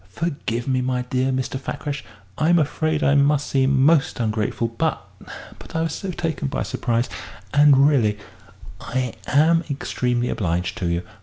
Forgive me, my dear Mr. Fakrash, I'm afraid I must seem most ungrateful; but but I was so taken by surprise. And really, I am extremely obliged to you.